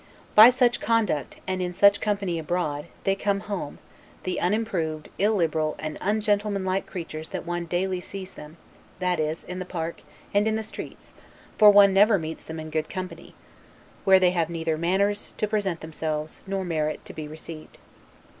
By such conduct, and in such company abroad, they come home, the unimproved, illiberal, and ungentlemanlike creatures that one daily sees them, that is, in the park and in the streets, for one never meets them in good company; where they have neither manners to present themselves, nor merit to be received.